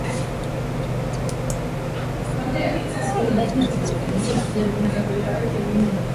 Pato la taifa lilikua kwa asilimia arobaini na tatu katika nusu ya kwanza ya mwaka huu kutokana na kufufuliwa kwa sekta ya huduma